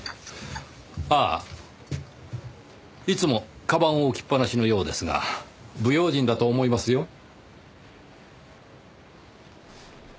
ああいつも鞄を置きっぱなしのようですが不用心だと思いますよ。